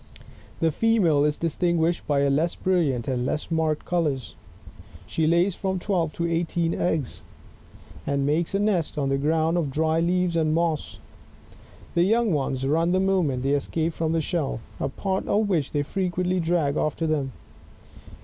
The female is distinguished by less brilliant and less marked colours. She lays from twelve to eighteen eggs, and makes a nest on the ground of dry leaves and moss. The young ones run the moment they escape from the shell, a part of which they frequently drag after them.